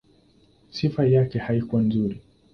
Sifa yake haikuwa nzuri.